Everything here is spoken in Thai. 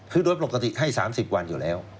คือโดยปกติให้๓๐วันอยู่แล้ว